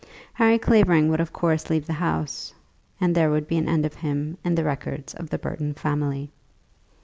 Harry Clavering would of course leave the house, and there would be an end of him in the records of the Burton family.